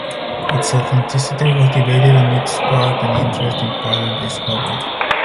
Its authenticity was debated and it sparked an interest in further discovery.